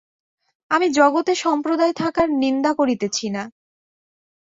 আমি জগতে সম্প্রদায় থাকার নিন্দা করিতেছি না।